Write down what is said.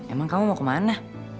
emang kamu mau kemana